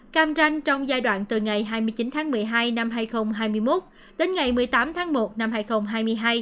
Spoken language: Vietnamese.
cam ranh trong giai đoạn từ ngày hai mươi chín tháng một mươi hai năm hai nghìn hai mươi một đến ngày một mươi tám tháng một năm hai nghìn hai mươi hai